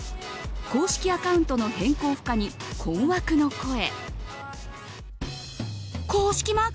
公式アカウントの変更不可に困惑の声。